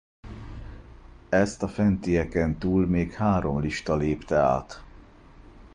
Ezt a fentieken túl még három lista lépte át.